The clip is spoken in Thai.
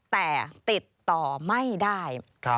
แต่ติดต่อไม่ได้